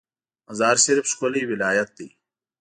مزار شریف ښکلی ولایت ده